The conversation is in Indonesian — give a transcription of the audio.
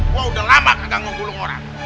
gue udah lama kagak ngunggul orang